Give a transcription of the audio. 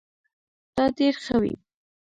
تا ډير ښه وي